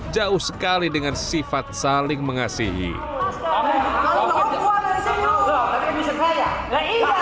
jauh sekali dengan sifat saling mengasihi